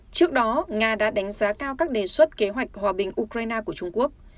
trước đó nga đã đánh giá cao các đề xuất kế hoạch hòa bình ukraine của trung quốc